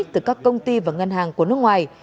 từ các công ty và ngân hàng của nước ngoài